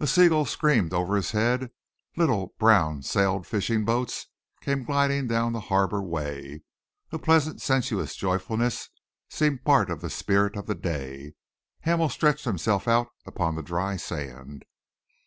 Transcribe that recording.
A sea gull screamed over his head. Little, brown sailed fishing boats came gliding down the harbourway. A pleasant, sensuous joyfulness seemed part of the spirit of the day. Hamel stretched himself out upon the dry sand.